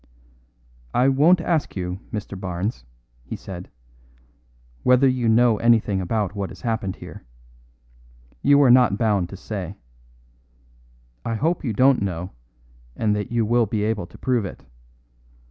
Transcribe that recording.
"I won't ask you, Mr. Barnes," he said, "whether you know anything about what has happened here. You are not bound to say. I hope you don't know, and that you will be able to prove it.